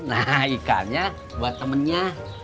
nah ikannya buat temennya